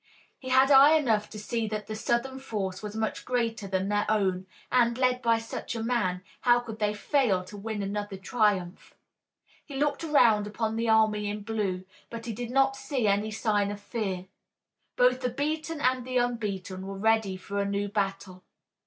He had eye enough to see that the Southern force was much greater than their own, and, led by such a man, how could they fail to win another triumph? He looked around upon the army in blue, but he did not see any sign of fear. Both the beaten and the unbeaten were ready for a new battle.